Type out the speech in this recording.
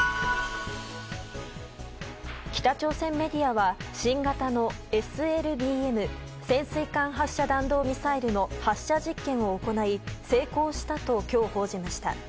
北朝鮮メディアは新型のＳＬＢＭ・潜水艦発射弾道ミサイルの発射実験を行い成功したと今日報じました。